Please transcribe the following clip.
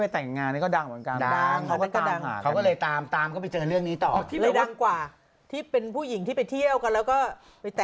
ตอนนั้นครับทุกคนเชียกเพราะว่า